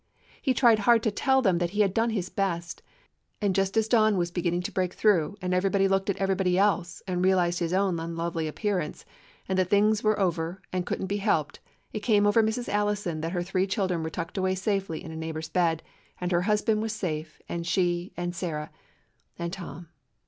He tried hard to tell them that he had done his best, and just as dawn was begin ning to break through, and everybody looked at everybody else and realized his own unlovely appearance, and that things were over and could n't be helped, it came over Mrs. Allison that her three children were tucked away safely in a neighbor's bed, and her husband was safe and she and Sarah — and Tom.